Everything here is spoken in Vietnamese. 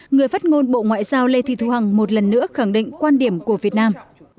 người phát ngôn bộ ngoại giao lê thị thu hằng một lần nữa khẳng định quan điểm của việt nam